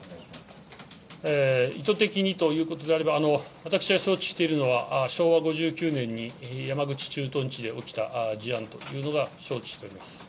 意図的にということであれば、私が承知しているのは、昭和５９年に、山口駐屯地で起きた事案というのが承知しております。